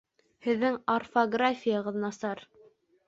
Һеҙҙең орфографияғыҙ насар